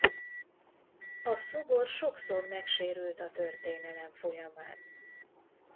A szobor sokszor megsérült a történelem folyamán.